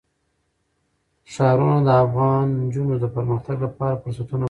ښارونه د افغان نجونو د پرمختګ لپاره فرصتونه برابروي.